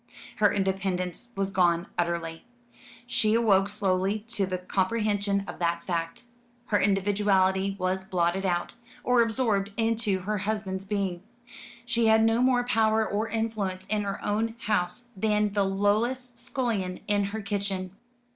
Her independence was gone utterly. She awoke slowly to the comprehension of that fact. Her individuality was blotted out, or absorbed into her husband's being. She had no more power or influence in her own house, than the lowest scullion in her kitchen.